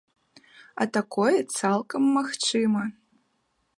А такое цалкам магчыма.